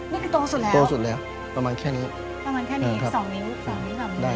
นี่ก็โตสุดแล้วประมาณแค่นี้ใช่ครับได้ครับ